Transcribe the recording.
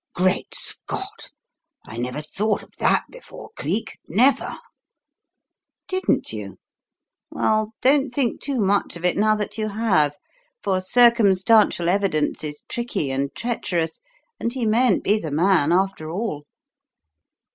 "Great Scott! I never thought of that before, Cleek never." "Didn't you? Well, don't think too much of it now that you have. For circumstantial evidence is tricky and treacherous, and he mayn't be the man, after all!"